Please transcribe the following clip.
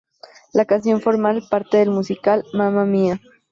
La canción forma parte del musical "Mamma Mia!